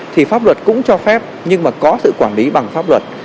thì pháp luật cũng cho phép nhưng mà có sự quản lý bằng pháp luật